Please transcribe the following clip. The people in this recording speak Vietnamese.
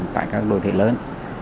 tại các đô thị lớn